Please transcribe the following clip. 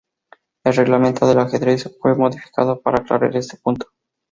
El reglamento del ajedrez fue modificado para aclarar este punto..